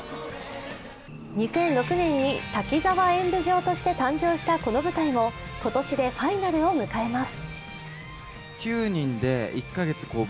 ２００６年に「滝沢演舞城」として誕生したこの舞台も今年でファイナルを迎えます。